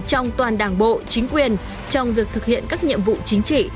trong toàn đảng bộ chính quyền trong việc thực hiện các nhiệm vụ chính trị